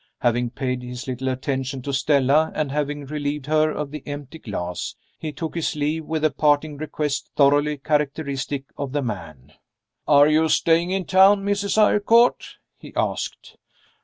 Having paid his little attention to Stella, and having relieved her of the empty glass, he took his leave, with a parting request thoroughly characteristic of the man. "Are you staying in town, Mrs. Eyrecourt?" he asked.